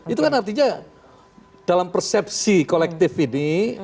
itu kan artinya dalam persepsi kolektif ini